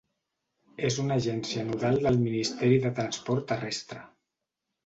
És una agència nodal del Ministeri de Transport Terrestre.